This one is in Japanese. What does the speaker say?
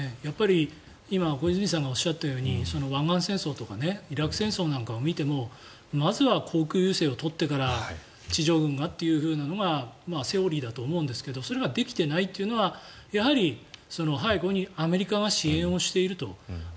今、小泉さんがおっしゃったように湾岸戦争とかイラク戦争なんかを見てもまずは航空優勢を取ってから地上軍がというのがセオリーだと思うんですがそれはできていないというのはやはり背後にアメリカが支援をしていると。